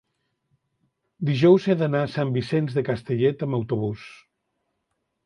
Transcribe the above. dijous he d'anar a Sant Vicenç de Castellet amb autobús.